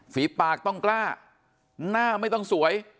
ฝีปากต้องกล้าหน้าไม่ต้องสวย